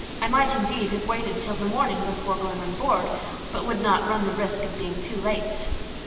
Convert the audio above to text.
I might, indeed, have waited till the morning before going on board, but would not run the risk of being too late.